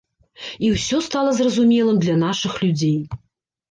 І ўсё стала зразумелым для нашых людзей.